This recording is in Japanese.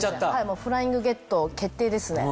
フライングゲット決定ですね。